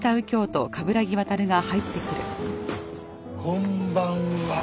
こんばんは。